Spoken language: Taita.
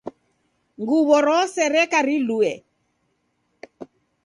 Nguwo rose reka riluwe